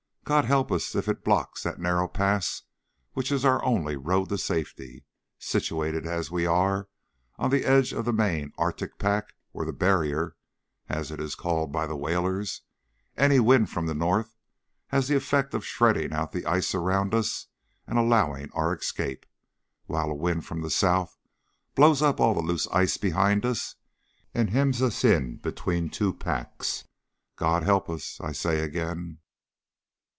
God help us if it blocks that narrow pass which is our only road to safety! Situated as we are on the edge of the main Arctic pack, or the "barrier" as it is called by the whalers, any wind from the north has the effect of shredding out the ice around us and allowing our escape, while a wind from the south blows up all the loose ice behind us and hems us in between two packs. God help us, I say again!